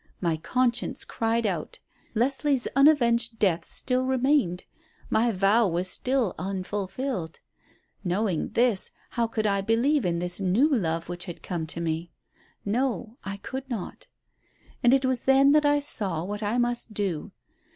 My conscience cried out. Leslie's unavenged death still remained. My vow was still unfulfilled. Knowing this, how could I believe in this new love which had come to me? No, I could not. And it was then that I saw what I must do.